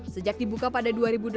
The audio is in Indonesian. sejak dibuka pada dua ribu delapan